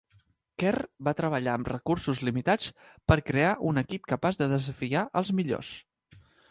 Kerr va treballar amb recursos limitats per crear un equip capaç de desafiar als millors.